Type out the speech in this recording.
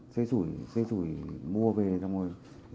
xê sủi xê sủi